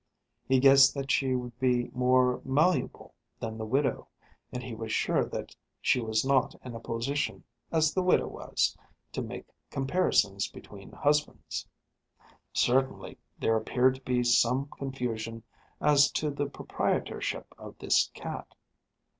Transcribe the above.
He guessed that she would be more malleable than the widow, and he was sure that she was not in a position, as the widow was, to make comparisons between husbands. Certainly there appeared to be some confusion as to the proprietorship of this cat.